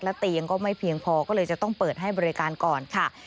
เตียงก็ไม่เพียงพอก็เลยจะต้องเปิดให้บริการก่อนค่ะ